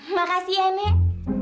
makasih ya nek